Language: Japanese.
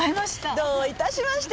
どういたしまして！